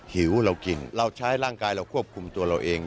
หิวเรากินเราใช้ร่างกายเราควบคุมตัวเราเอง